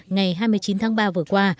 ngày hai mươi chín tháng ba vừa qua